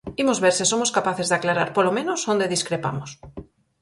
Imos ver se somos capaces de aclarar, polo menos, onde discrepamos.